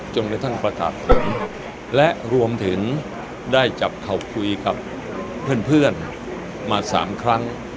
จนได้ทั้งประตาภูมิและรวมถึงได้จับเข้าคุยกับเพื่อนมา๓ครั้ง